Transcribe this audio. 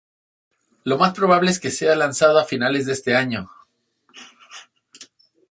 Lo más probable es que sea lanzado a finales de este año.